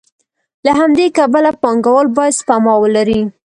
له همدې کبله پانګوال باید سپما ولري